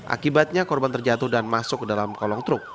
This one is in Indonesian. akibatnya korban terjatuh dan masuk ke dalam kolong truk